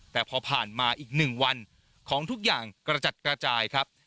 แต่พอผ่านมาอีก๑วันของทุกอย่างกระจัดกระจายครับ